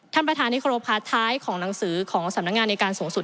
ท่านประธานที่ครบค่ะท้ายของหนังสือของสำนักงานในการสูงสุด